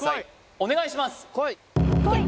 お願いします